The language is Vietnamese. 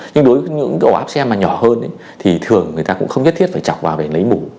nhưng đối với những cái ổ áp xe mà nhỏ hơn thì thường người ta cũng không nhất thiết phải chọc vào để lấy mổ